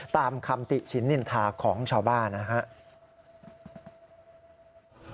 ตามคำติฉินนินทาของชาวบ้านนะครับ